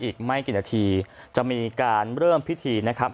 อีกไม่กี่นาทีจะมีการเริ่มพิธีนะครับ